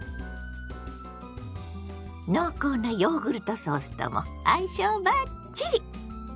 濃厚なヨーグルトソースとも相性バッチリ！